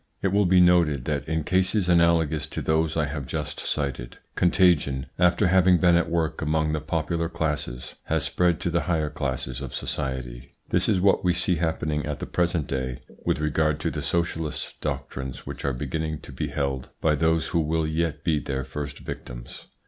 It will be noted that in cases analogous to those I have just cited, contagion, after having been at work among the popular classes, has spread to the higher classes of society. This is what we see happening at the present day with regard to the socialist doctrines which are beginning to be held by those who will yet be their first victims.